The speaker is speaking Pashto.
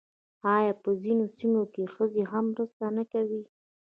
آیا په ځینو سیمو کې ښځې هم مرسته نه کوي؟